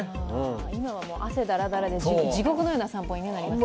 今は汗だらだらで地獄のような散歩になりますよね。